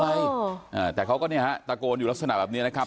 เอออ่าแต่เขาก็เนี่ยฮะตะโกนอยู่ลักษณะแบบนี้นะครับ